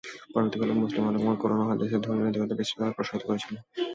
পরবর্তীকালে মুসলিম আলেমগণ কুরআন ও হাদিসের ধর্মীয় নৈতিকতা বিস্তৃতভাবে প্রসারিত করেছিলেন।